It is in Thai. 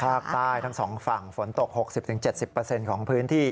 ภาคใต้ทั้งสองฝั่งฝนตก๖๐๗๐ของพื้นที่